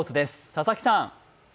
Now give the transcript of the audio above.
佐々木さん。